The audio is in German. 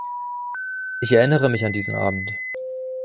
Ich erinnere mich an diesen Abend.